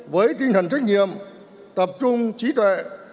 với tinh thần trách nhiệm tập trung trí tuệ